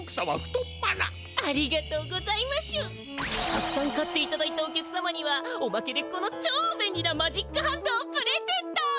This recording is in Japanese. たくさん買っていただいたお客様にはおまけでこの超べんりなマジックハンドをプレゼント！